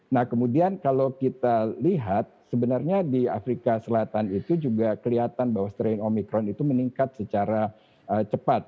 nah kemudian kalau kita lihat sebenarnya di afrika selatan itu juga kelihatan bahwa straining omikron itu meningkat secara cepat